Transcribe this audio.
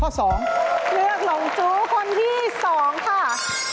เลือกหลงจู้คนที่๒ค่ะ